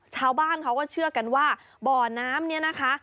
ชาวบ้านเขาก็เชื่อกันว่าบ่อน้ำนี้นะคะ